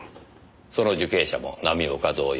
その受刑者も浪岡同様